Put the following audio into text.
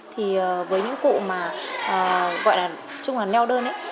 thì với những cụ mà gọi là chung là neo đơn ấy